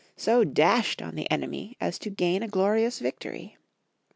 so dashed on the enemy as to gain a glorious victory.